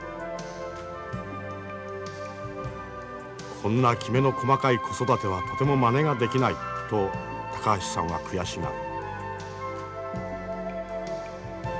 「こんなきめの細かい子育てはとてもまねができない」と高橋さんは悔しがる。